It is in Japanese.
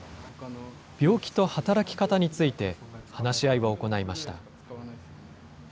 病気と働き方について、話し合いを行いました。